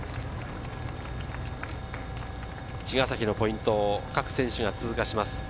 茅ヶ崎のポイントを各選手が通過します。